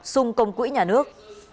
xung công quỹ nhà nước